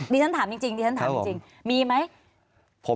ดิฉันถามจริงมีไหมครับผม